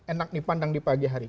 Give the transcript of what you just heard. enak dipandang di pagi hari